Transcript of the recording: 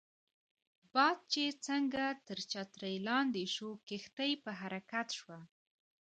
باد چې څنګه تر چترۍ لاندې شو، کښتۍ په حرکت شوه.